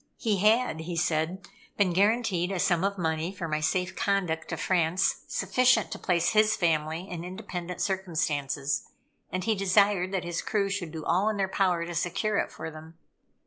He had, he said, been guaranteed a sum of money for my safe conduct to France, sufficient to place his family in independent circumstances, and he desired that his crew should do all in their power to secure it for them.